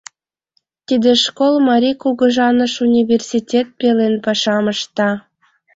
— Тиде школ Марий кугыжаныш университет пелен пашам ышта.